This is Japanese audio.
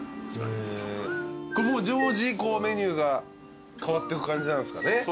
これ常時メニューが変わってく感じなんですかね？